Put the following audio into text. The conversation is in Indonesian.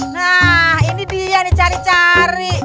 nah ini dia nih cari cari